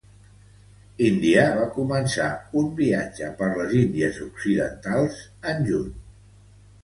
India va començar un viatge per les Índies occidentals en juny.